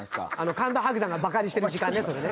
神田伯山がバカにしてる時間ね。